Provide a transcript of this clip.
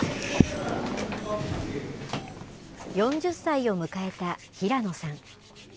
４０歳を迎えた平野さん。